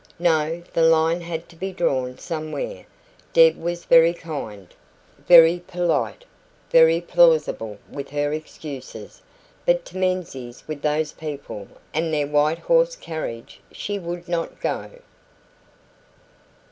No; the line had to be drawn somewhere. Deb was very kind, very polite, very plausible with her excuses; but to Menzies' with those people and their white horsed carriage she would not go.